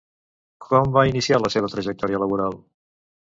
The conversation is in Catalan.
Com va iniciar la seva trajectòria laboral?